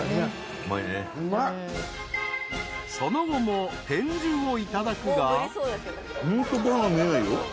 ［その後も天重をいただくが］